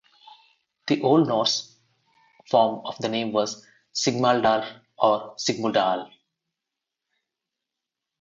The Old Norse form of the name was "Sigmardalr" or "Sigmudalr".